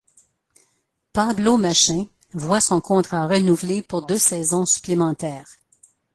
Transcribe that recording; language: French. Pablo Machín voit son contrat renouvelé pour deux saisons supplémentaires.